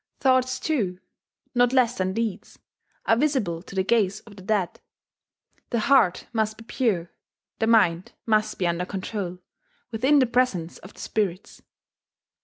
Thoughts too, not less than deeds, are visible to the gaze of the dead: the heart must be pure, the mind must be under control, within the presence of the spirits.